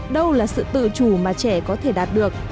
đâu là sự tự chủ mà trẻ có thể đạt được